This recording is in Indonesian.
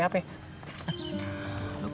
kayaknya gian mas